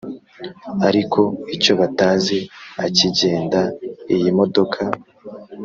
ariko icyo batazi akigenda iyimodoka